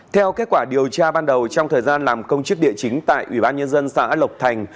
theo kết quả điều tra ban đầu trong thời gian làm công chức địa chính tại ủy ban nhân dân xã lộc thành